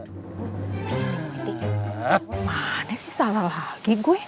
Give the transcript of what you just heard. mana sih salah lagi gue